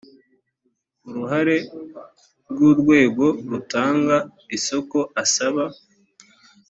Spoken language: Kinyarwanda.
uruhare rw urwego rutanga isoko asaba